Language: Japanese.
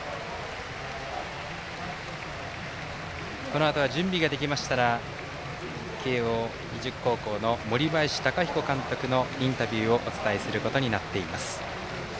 このあとは準備ができましたら慶応義塾高校の森林貴彦監督のインタビューをお伝えすることになっています。